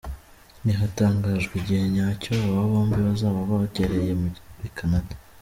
Ntihatangajwe igihe nyacyo aba bombi bazaba bagereye muri Canada.